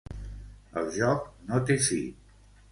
El joc no té fi.